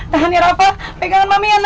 tahan ya rafa pegangan mami ya nga